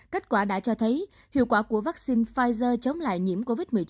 kết quả đã cho thấy hiệu quả của vaccine pfizer chống lại nhiễm covid một mươi chín